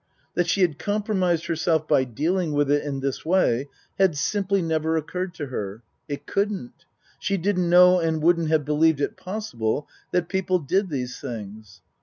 That she had compromised herself by dealing with it in this way had simply never occurred to her. It couldn't. She didn't know and wouldn't have believed it possible that people did these things.